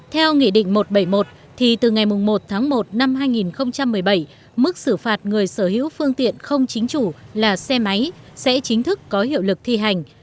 theo nghị định một trăm bảy mươi một thì từ ngày một tháng một năm hai nghìn một mươi bảy mức xử phạt người sở hữu phương tiện không chính chủ là xe máy sẽ chính thức có hiệu lực thi hành